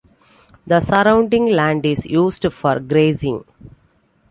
The surrounding land is used for grazing.